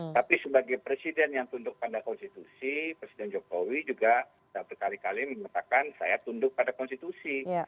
tapi sebagai presiden yang tunduk pada konstitusi presiden jokowi juga berkali kali menyatakan saya tunduk pada konstitusi